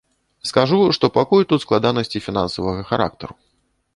Скажу, што пакуль тут складанасці фінансавага характару.